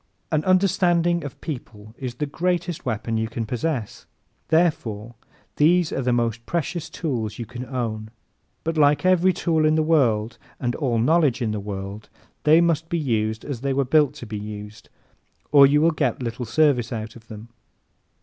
An understanding of people is the greatest weapon you can possess. Therefore these are the most precious tools you can own. But like every tool in the world and all knowledge in the world, they must be used as they were built to be used or you will get little service out of them.